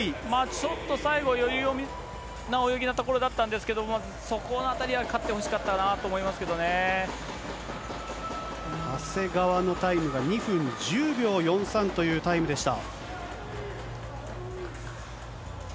ちょっと最後、余裕な泳ぎなところだったんですけど、そこのあたりは勝ってほし長谷川のタイムが２分１０秒４３というタイムでした。